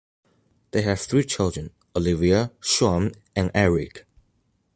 They have three children, Olivia, Sean and Eric.